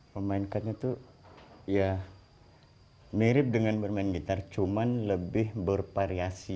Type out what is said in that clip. memainkannya tuh ya mirip dengan bermain gitar cuma lebih bervariasi